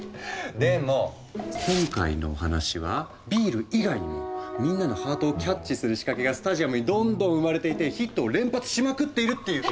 でも今回のお話はビール以外にもみんなのハートをキャッチする仕掛けがスタジアムにどんどん生まれていてヒットを連発しまくっているっていう。